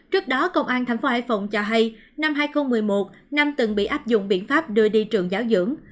trước đó công an tp hải phòng cho hay năm hai nghìn một mươi một nam từng bị áp dụng biện pháp đưa đi trường giáo dưỡng